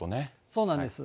そうなんです。